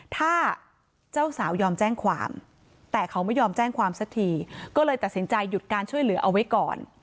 ถ้าเจ้าสาวยอมแจ้งความแต่เขาไม่ยอมแจ้งความสักทีก็เลยตัดสินใจหยุดการช่วยเหลือเอาไว้ก่อน